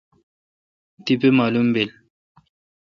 تیپہ معالم بیل۔